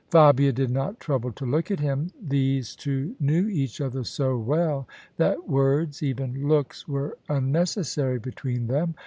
Fabia did not trouble to look at him. These two knew each other so well that words— even looks — ^were unneces sary between them.